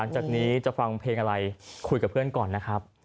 จากนี้จะฟังเพลงอะไรคุยกับเพื่อนก่อนนะครับ